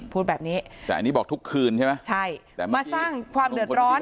พูดแบบนี้แต่อันนี้บอกทุกคืนใช่ไหมใช่แต่มาสร้างความเดือดร้อน